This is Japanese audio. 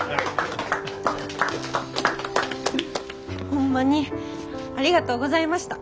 ホンマにありがとうございました。